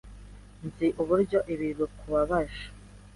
Nzi uburyo ibi bikubabaje.